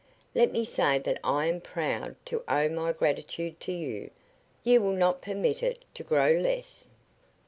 Let me say that I am proud to owe my gratitude to you. You will not permit it to grow less."